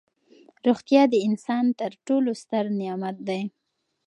روغتیا د انسان تر ټولو ستر نعمت دی.